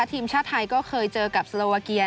ทีมชาติไทยก็เคยเจอกับสโลวาเกีย